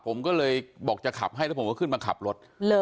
ผมก็เลยบอกจะขับให้แล้วผมก็ขึ้นมาขับรถ